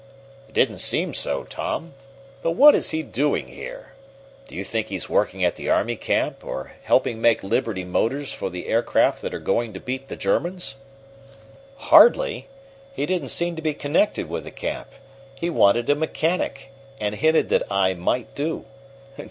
"It didn't seem so, Tom. But what is he doing here? Do you think he is working at the army camp, or helping make Liberty Motors for the aircraft that are going to beat the Germans?" "Hardly. He didn't seem to be connected with the camp. He wanted a mechanic, and hinted that I might do.